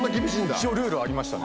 一応ルールはありましたんで。